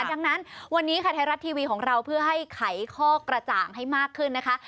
ดังนั้นวันนี้ค่ะไทยรัฐทีวีของเราเพื่อให้ไขข้อกระจ่างให้มากขึ้นนะคะ